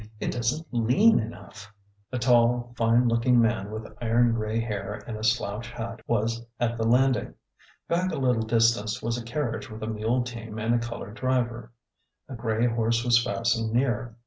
It does n't lean enough !" A tall, fine looking man with iron gray hair and a slouch hat was at the landing. Back a little distance was a carriage with a mule team and a colored driver. A gray horse was fastened near.